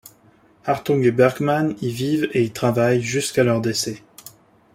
Hartung et Bergman y vivent et y travaillent jusqu’à leurs décès.